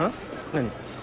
何？